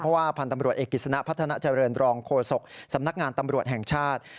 เพราะว่าพันธ์ตำรวจเอกกิจสนะพัฒนาเจริญรองโฆษกสำนักงานตำรวจแห่งชาติ